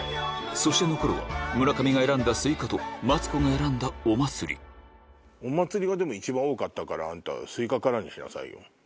そして残るは村上が選んだスイカとマツコが選んだお祭りお祭りがでも一番多かったからあんたスイカからにしなさいよ。